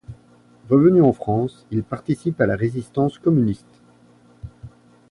Revenu en France il participe à la résistance communiste.